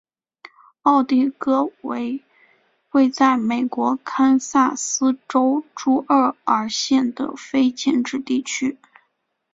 奥蒂戈为位在美国堪萨斯州朱厄尔县的非建制地区。